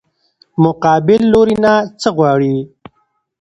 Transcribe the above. مقابل لوري نه څه غواړې؟